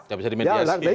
gak bisa dimediasi